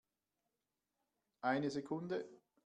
Eine Sekunde!